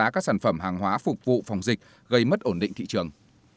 các sản phẩm hàng hóa phục vụ phòng dịch gây mất ổn định thị trường